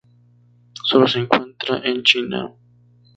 Sólo se encuentra en China.